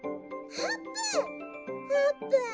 あーぷん！